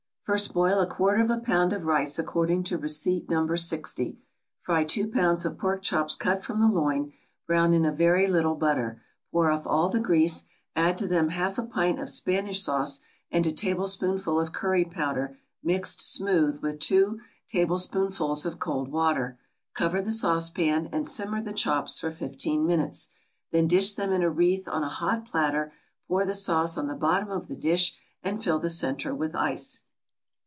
= First boil a quarter of a pound of rice according to receipt No. 60. Fry two pounds of pork chops cut from the loin, brown in a very little butter, pour off all the grease, add to them half a pint of Spanish sauce, and a tablespoonful of curry powder mixed smooth with two tablespoonfuls of cold water; cover the sauce pan, and simmer the chops for fifteen minutes; then dish them in a wreath on a hot platter, pour the sauce on the bottom of the dish, and fill the centre with rice.